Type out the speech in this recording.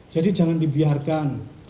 jadi jangan dibiarkan